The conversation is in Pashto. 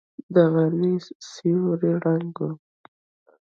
د غرمې سيوری ړنګ و.